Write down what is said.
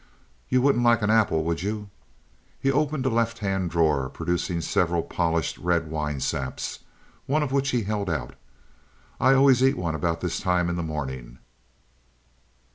You wouldn't like an apple, would you?" He opened a left hand drawer, producing several polished red winesaps, one of which he held out. "I always eat one about this time in the morning."